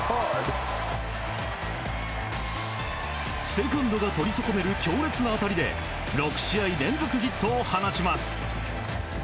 セカンドが取り損ねる強烈な当たりで６試合連続ヒットを放ちます。